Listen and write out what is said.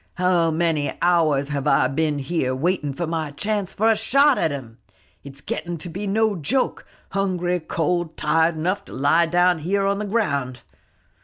How many hours have I been here waiting for my chance for a shot at him? It's getting to be no joke, hungry, cold, tired enough to lie down here on the ground.